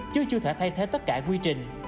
chứ chưa thể thay thế tất cả quy trình